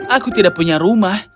aku tidak punya rumah